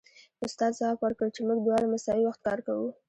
استاد ځواب ورکړ چې موږ دواړه مساوي وخت کار کوو